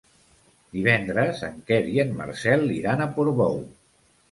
Divendres en Quer i en Marcel iran a Portbou.